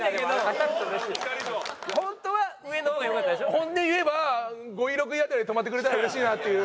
本音言えば５位６位辺りで止まってくれたら嬉しいなっていう。